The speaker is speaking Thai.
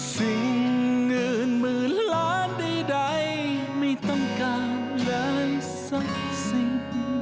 สิ่งเงินหมื่นล้านใดไม่ต้องการเลยสักสิ่ง